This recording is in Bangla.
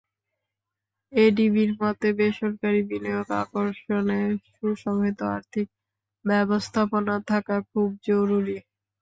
এডিবির মতে, বেসরকারি বিনিয়োগ আকর্ষণে সুসংহত আর্থিক ব্যবস্থাপনা থাকা খুব জরুরি।